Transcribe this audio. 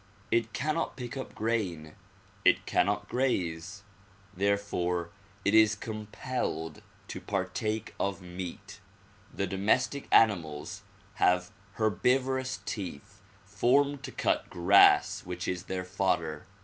It cannot pick up grain ; it cannot graze ; therefore it is compelled to partake of meat. The domestic animals have herbivorous teeth formed to cut grass which is their fodder.